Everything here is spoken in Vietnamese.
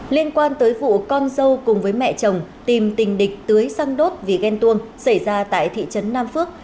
liên quan tới vụ con dâu cùng với mẹ chồng tìm tình địch tưới xăng đốt vì ghen tuông xảy ra tại thị trấn nam phước